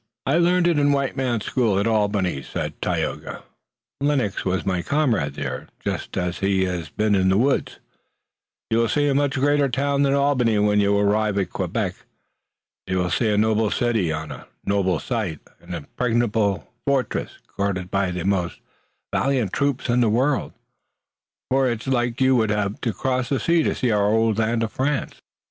"I learned it in a white man's school at Albany," said Tayoga. "Lennox was my comrade there, just as he has been in the woods." "You will see a much greater town than Albany when you arrive at Quebec. You will see a noble city, on a noble site, an impregnable fortress, guarded by the most valiant troops in the world. For its like you would have to cross the sea to our old land of France."